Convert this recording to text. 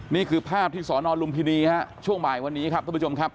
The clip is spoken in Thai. นี่คือภาพที่สอนอลุมพินีฮะช่วงบ่ายวันนี้ครับท่านผู้ชมครับ